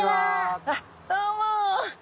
どうも。